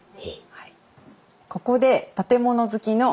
はい。